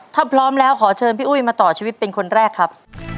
ถ้าพร้อมแล้วขอเชิญพี่อุ้ยมาต่อชีวิตเป็นคนแรกครับ